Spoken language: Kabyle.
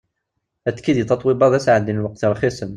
Atekki deg Tatoeba d asεeddi n lweqt rxisen.